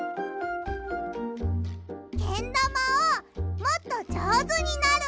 けんだまをもっとじょうずになる！